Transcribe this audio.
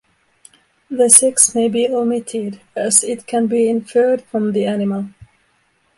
The sex may be omitted, as it can be inferred from the animal.